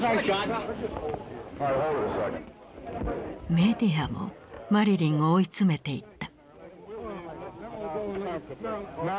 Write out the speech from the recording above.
メディアもマリリンを追い詰めていった。